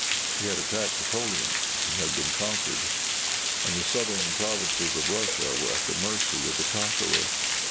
He had attacked Napoleon and had been conquered; and the southern provinces of Russia were at the mercy of the conqueror.